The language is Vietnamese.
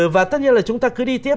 và tất nhiên là chúng ta cứ đi tiếp